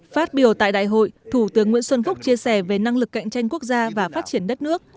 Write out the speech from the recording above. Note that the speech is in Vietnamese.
phát biểu tại đại hội thủ tướng nguyễn xuân phúc chia sẻ về năng lực cạnh tranh quốc gia và phát triển đất nước